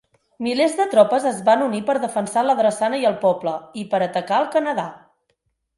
Milers de tropes es van unir per defensar la drassana i el poble, i per atacar el Canadà.